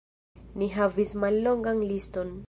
Ni havis mallongan liston.